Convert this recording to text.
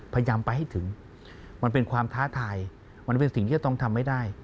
พยายามไปให้ถึงมันเป็นความท้าทายมันเป็นสิ่งที่จะต้องทำให้ได้